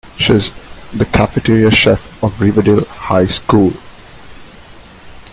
She is the cafeteria chef of Riverdale High School.